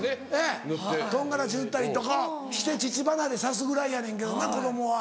唐辛子塗ったりとかして乳離れさすぐらいやねんけどな子供は。